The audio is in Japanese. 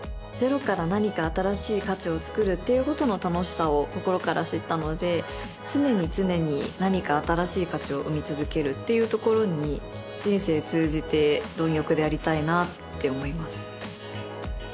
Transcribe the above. ゼロから何か新しい価値を作るっていうことの楽しさを心から知ったので常に常に何か新しい価値を生み続けるっていうところに人生通じて貪欲でありたいなって思います